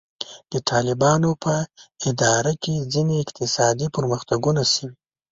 د طالبانو په اداره کې ځینې اقتصادي پرمختګونه شوي.